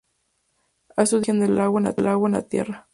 Ha estudiado el origen del agua en la Tierra.